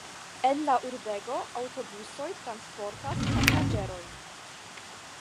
En la urbego aŭtobusoj transportas pasaĝerojn.